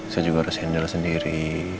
saya juga harus handle sendiri